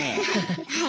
はい。